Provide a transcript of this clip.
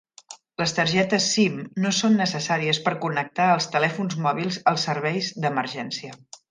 Les targetes SIM no són necessàries per connectar els telèfons mòbils als serveis d'emergència.